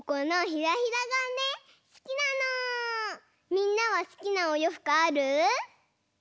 みんなはすきなおようふくある？